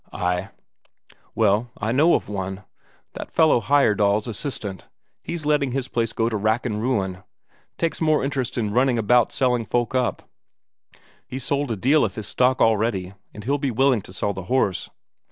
"Ay." "Well, I know of one. That fellow Heyerdahl's assistant, he's letting his place go to rack and ruin; takes more interest in running about selling folk up. He's sold a deal of his stock already, and he'll be willing to sell the horse."